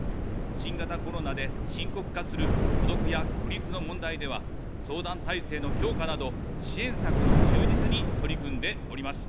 新型コロナで深刻化する孤独や孤立の問題では、相談体制の強化など、支援策の充実に取り組んでおります。